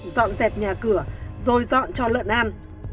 dọn dẹp nhà cửa rồi dọn cho lợn ăn